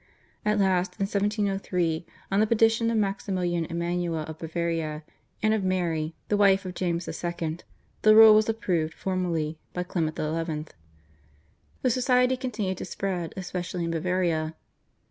At last in 1703, on the petition of Maximilian Emanuel of Bavaria and of Mary the wife of James II., the rule was approved formally by Clement XI. The society continued to spread especially in Bavaria.